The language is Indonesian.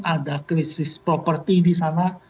ada krisis properti di sana